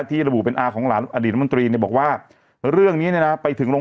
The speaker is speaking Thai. ที่เป็นของหลานอดีตมันตรีนี่บอกว่าเรื่องนี้นะได้ถึงร่ม